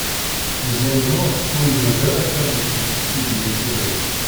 Meẓyan U Muḥ ur imudd ara tallelt i Tiziri Tagawawt.